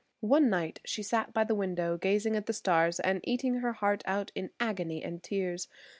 One night she sat by the window gazing at the stars and eating her heart out in agony and tears.